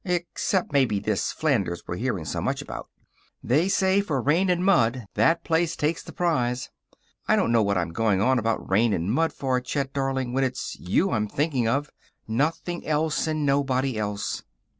Except maybe this Flanders we're reading so much about. They say for rain and mud that place takes the prize. I don't know what I'm going on about rain and mud for, Chet darling, when it's you I'm thinking of. Nothing else and nobody else.